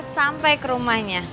sampai ke rumahnya